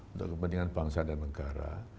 untuk kepentingan bangsa dan negara